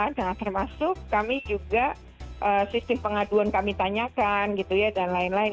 nah termasuk kami juga sistem pengaduan kami tanyakan gitu ya dan lain lain